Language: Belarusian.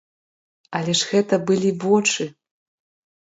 Але ж гэта былі вочы!